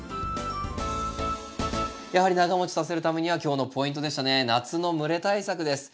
やはり長もちさせるためには今日のポイントでしたね夏の蒸れ対策です。